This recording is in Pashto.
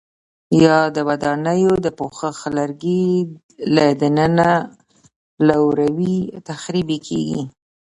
یا د ودانیو د پوښښ لرګي له دننه لوري تخریب کېږي؟